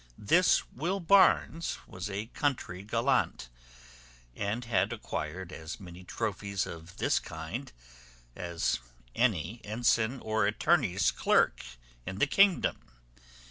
This Will Barnes was a country gallant, and had acquired as many trophies of this kind as any ensign or attorney's clerk in the kingdom.